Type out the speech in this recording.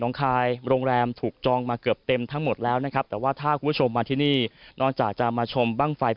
โรงแรมถูกจองมาเกือบเต็มทั้งหมดแล้วนะครับแต่ว่าถ้าคุณชมมาที่นี่